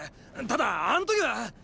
ただあん時は。